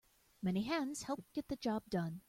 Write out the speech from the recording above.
Many hands help get the job done.